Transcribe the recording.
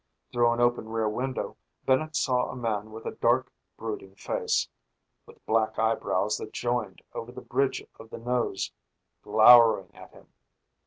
Through an open rear window, Bennett saw a man with a dark, brooding face with black eyebrows that joined over the bridge of the nose glowering at him.